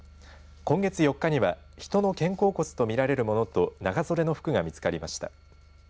今月４日には人の肩甲骨とみられるものと長袖の服が見つかりました。